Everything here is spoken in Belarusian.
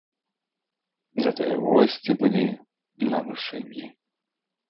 Затое госці былі на вышыні.